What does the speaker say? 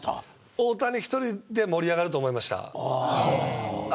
大谷１人で盛り上がると思いました。